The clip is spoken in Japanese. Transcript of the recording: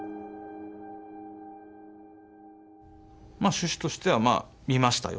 趣旨としては見ましたよ